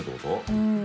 うん。